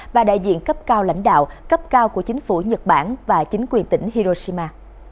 và đại diện cấp cao lãnh đạo cấp cao của chính phủ nhật bản và chính quyền tỉnh hiroshima